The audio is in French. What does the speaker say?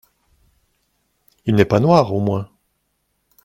Il n’est pas noir au moins ?